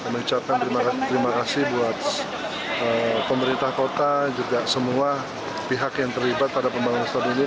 mengucapkan terima kasih buat pemerintah kota juga semua pihak yang terlibat pada pembangunan stadion ini